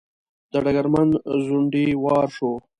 د ډګرمن ځونډي وار شو.